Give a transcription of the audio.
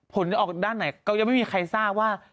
ผลจะออกด้านไหนก็ยังไม่มีใครทราบว่า